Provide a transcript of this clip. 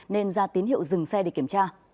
nên ra tín hiệu dừng xe để kiểm tra